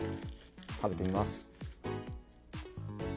食べてみます。